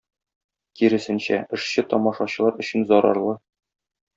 Киресенчә, эшче тамашачылар өчен зарарлы.